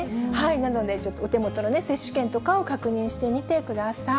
なのでちょっと、お手元の接種券とかを確認してみてください。